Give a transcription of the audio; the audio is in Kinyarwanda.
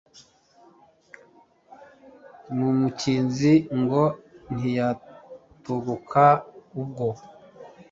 numukinzi ngo ntiyatoboka ubwo